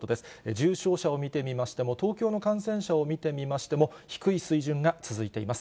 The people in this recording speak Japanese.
重症者を見てみましても、東京の感染者を見てみましても、低い水準が続いています。